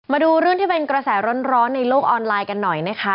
มาดูเรื่องที่เป็นกระแสร้อนในโลกออนไลน์กันหน่อยนะคะ